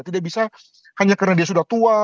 tidak bisa hanya karena dia sudah tua